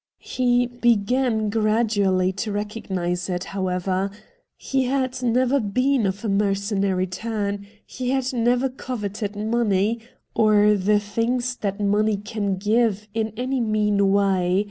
He began gradually to recognise it, how ever. He had never been of a mercenary A NINE DAYS' WONDER 213 turn, he had never coveted money, or the things that money can give, in any mean way.